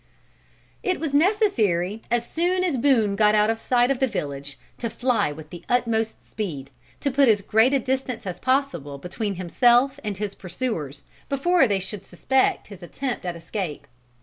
It was necessary, as soon as Boone got out of sight of the village, to fly with the utmost speed, to put as great a distance as possible between himself and his pursuers, before they should suspect his attempt at escape.